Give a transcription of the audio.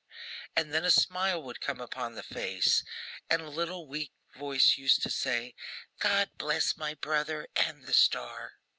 and then a smile would come upon the face, and a little weak voice used to say, 'God bless my brother and the star!